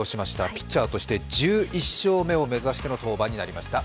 ピッチャーとして１１勝目を目指しての登板になりました。